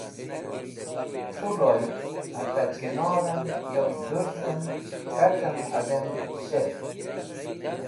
Truloy hata chinor en yow dũrzem kat̃em adem shet.